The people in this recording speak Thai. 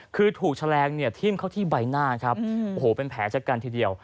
คือถูกแฉลงทิ่มเข้าที่ใบหน้าเป็นแผลจัดการทีเดียว